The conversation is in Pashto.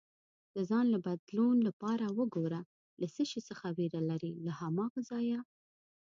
د ځان له بدلون لپاره وګوره له څه شي څخه ویره لرې، له هماغه ځایه